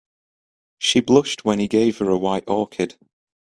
She blushed when he gave her a white orchid.